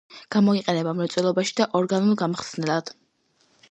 გამოიყენება მრეწველობაში და ორგანულ გამხსნელად.